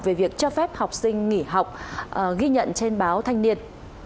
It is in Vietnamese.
về việc cho phép học sinh nghỉ học ghi nhận trên báo thanh niên